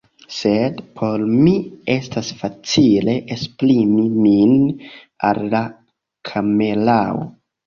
sed por mi estas facile esprimi min al la kamerao